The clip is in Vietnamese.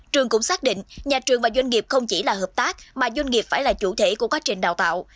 trường cũng xác định nhà trường và doanh nghiệp không chỉ là hợp tác mà doanh nghiệp phải là chủ thể của quá trình đào tạo